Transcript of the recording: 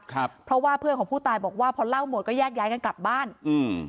ครับเพราะว่าเพื่อนของผู้ตายบอกว่าพอเล่าหมดก็แยกย้ายกันกลับบ้านอืม